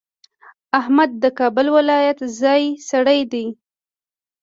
احمد د کابل ولایت ځای سړی دی.